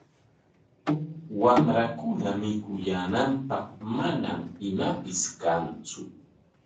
Wamrankuna mikuyaananpaq manam imapis kantsu.